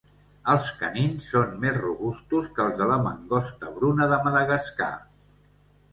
Els canins són més robustos que els de la mangosta bruna de Madagascar.